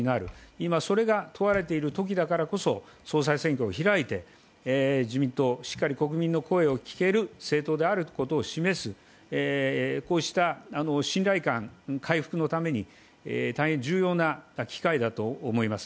今、それが問われているときだからこそ総裁選挙を開いて自民党、しっかり国民の声を聞ける政党であることを示す、こうした信頼感回復のために大変重要な機会だと思います。